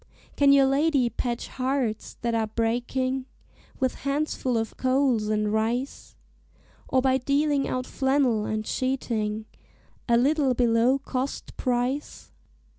"Can your lady patch hearts that are breaking, With handfuls of coals and rice, Or by dealing out flannel and sheeting A little below cost price?